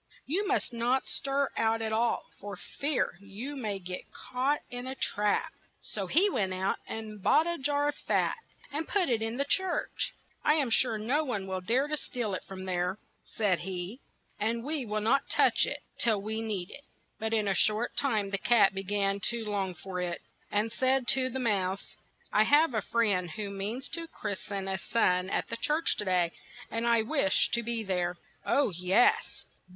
You must not THE CAT WHO MARRIED A MOUSE stir out at all, for fear you may get caught in a So he went out and bought a jar of fat, and put it church. "I am sure no one will dare to steal it from said he, "and we will not touch it till we need it." But in a short time the cat be gan to long for it, and he said to the mouse, "I have a friend who means to christ en a son at the church to day, and I wish to be there." "Oh, yes